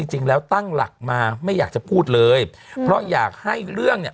จริงแล้วตั้งหลักมาไม่อยากจะพูดเลยเพราะอยากให้เรื่องเนี่ย